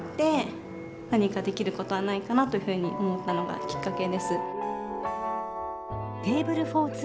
何かできることはないかなというふうに思ったのがきっかけです。